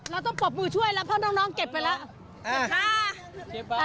เราต้องปรบมือช่วยแล้วเพราะน้องเก็บไปแล้วนะคะ